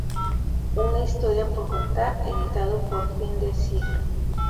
Una historia por contar"" editado por Fin de Siglo.